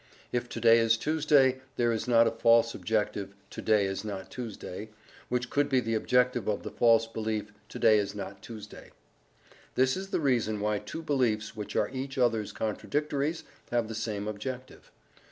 If to day is Tuesday, there is not a false objective "to day is not Tuesday," which could be the objective of the false belief "to day is not Tuesday." This is the reason why two beliefs which are each other's contradictories have the same objective.